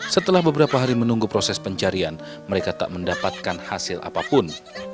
setelah beberapa hari menunggu proses pencarian mereka tak mendapatkan hasil apapun